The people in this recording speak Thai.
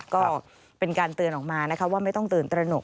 ก็เป็นการเตือนออกมานะคะว่าไม่ต้องตื่นตระหนก